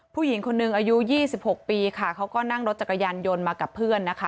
ผู้หญิงคนหนึ่งอายุ๒๖ปีค่ะเขาก็นั่งรถจักรยานยนต์มากับเพื่อนนะคะ